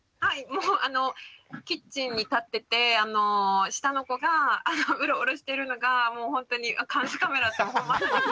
もうあのキッチンに立ってて下の子がウロウロしてるのがもうほんとにあ監視カメラって思って。